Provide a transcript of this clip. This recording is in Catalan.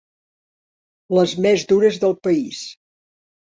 Les més dures del país.